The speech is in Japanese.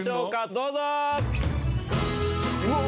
どうぞ！